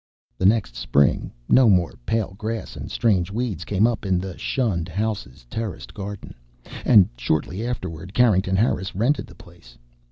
The next spring no more pale grass and strange weeds came up in the shunned house's terraced garden, and shortly afterward Carrington Harris rented the place.